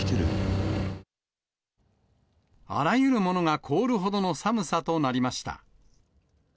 あらゆるものが凍るほどの寒さとなりました。